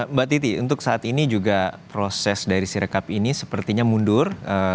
mbak titi untuk saat ini juga proses dari sirekap ini sepertinya mundur